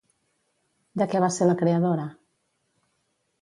De què va ser la creadora?